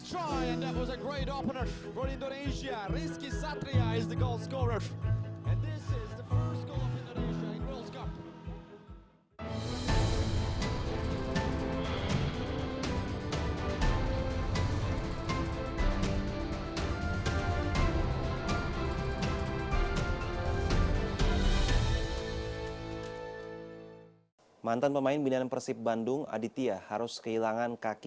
rizky satria adalah pemenang gol